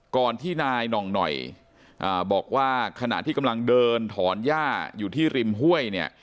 ก่อนที่นายหน่องหน่อยบอกว่าขณะที่กำลังเดินถอนหญ้าอยู่ที่ริมห้วยเนี่ย